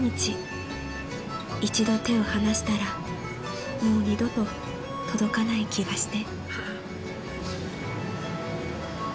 ［一度手を離したらもう二度と届かない気がして］